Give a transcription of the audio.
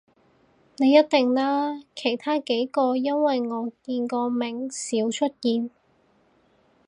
你一定啦，其他幾個因爲我見個名少出現